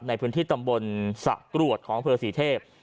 ในพื้นที่ตำบลสระกรวดของบริเวณเผอร์ศรีเทพฯ